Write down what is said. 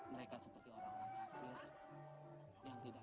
mereka seperti orang orang lain